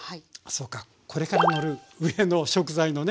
そうかこれからのる上の食材のね